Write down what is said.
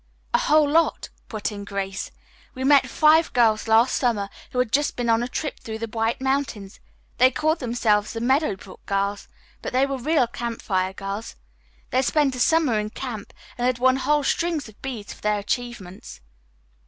"A whole lot," put in Grace. "We met five girls last summer who had just been on a trip through the White Mountains. They called themselves the 'Meadow Brook Girls,' but they were real Campfire girls. They had spent a summer in camp and had won whole strings of beads for their achievements."